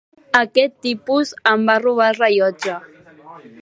Aquest tipus em va robar el rellotge.